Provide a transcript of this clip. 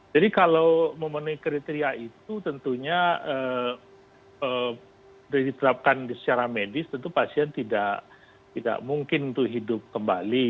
jadi kalau memenuhi kriteria itu tentunya diterapkan secara medis tentu pasien tidak mungkin untuk hidup kembali